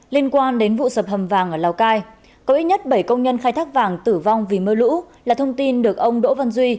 liên quan đến vụ sập hầm vàng ở lào cai có ít nhất bảy công nhân khai thác vàng tử vong vì mưa lũ là thông tin được ông đỗ văn duy